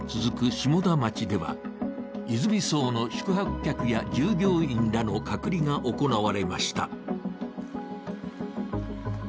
下田町ではいづみ荘の宿泊客や従業員らの隔離が行われました。